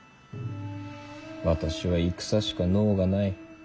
私は戦しか能がない。